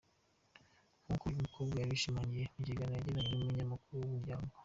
Nk’uko uyu mukobwa yabishimangiye mu kiganiro yagiranye n’umunyamakuru wa Umuryango.